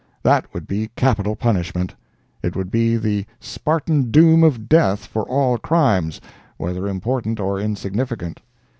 That would be capital punishment—it would be the Spartan doom of death for all crimes, whether important or insignificant.